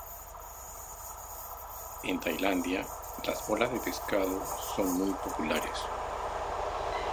En Tailandia las bolas de pescados son muy populares.